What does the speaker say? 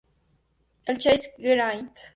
La Chaize-Giraud